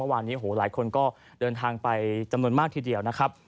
วันนี้โหหลายคนก็เดินทางไปจำนวนมากทีเดียวนะครับ